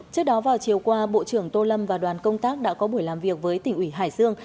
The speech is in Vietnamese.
trước đó vào chiều qua bộ trưởng tô lâm và đoàn công tác đã có buổi làm việc với tỉnh ủy hải dương